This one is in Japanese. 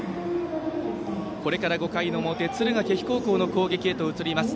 これから５回の表敦賀気比高校の攻撃へ移ります。